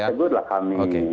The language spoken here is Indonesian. ya menegur lah kami